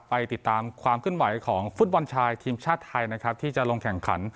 ไปติดตามความขึ้นไหวของฟุตบอลชายทีมชาติไทยนะครับที่จะลงแข่งขัน